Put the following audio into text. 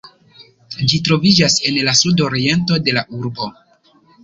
Ĝi troviĝas en la sudoriento de la urbo.